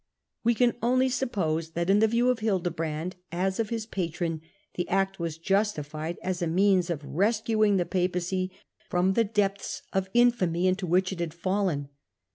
We can only suppose that in the view of Hildebrand, as of his patron, the act was justified as a means of rescuing the Papacy firom the depths of infamy into which it had fallen.